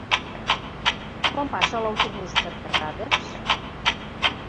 Quan passa l'autobús per Terrades?